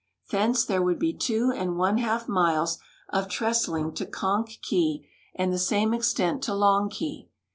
Thence there would be two and one half miles of trestling to Conch Key and the same extent to Long Key.